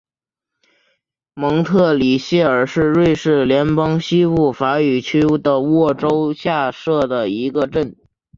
蒙特里谢尔是瑞士联邦西部法语区的沃州下设的一个镇。